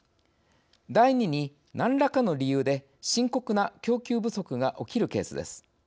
第２に何らかの理由で深刻な供給不足が起きるケースです。